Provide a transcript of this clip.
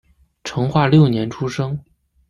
成化六年出生。